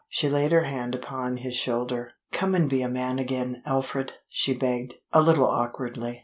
She laid her hand upon his shoulder. "Come and be a man again, Alfred," she begged, a little awkwardly.